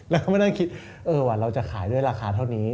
แล้วก็มานั่งคิดว่าเราจะขายด้วยราคาเท่านี้